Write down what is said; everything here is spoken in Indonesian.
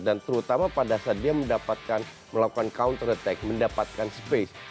dan terutama pada saat dia melakukan counter attack mendapatkan space